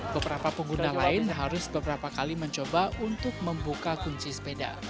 beberapa pengguna lain harus beberapa kali mencoba untuk membuka kunci sepeda